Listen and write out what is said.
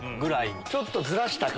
ちょっとずらしたか？